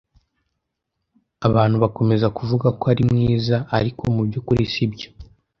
Abantu bakomeza kuvuga ko ari mwiza, ariko mubyukuri, sibyo.